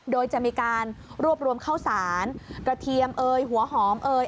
โดยจะมีการรวบรวมข้าวสารกระเทียมเอยหัวหอมเอ่ย